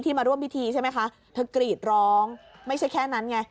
มาร่วมพิธีใช่ไหมคะเธอกรีดร้องไม่ใช่แค่นั้นไง